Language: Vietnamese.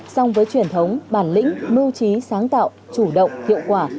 song với truyền thống bản lĩnh mưu trí sáng tạo chủ động hiệu quả